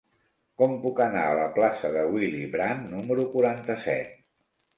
Com puc anar a la plaça de Willy Brandt número quaranta-set?